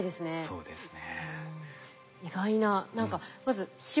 そうですね。